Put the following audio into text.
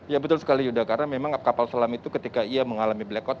ya betul sekali yuda karena memang kapal selam itu ketika ia mengalami blackout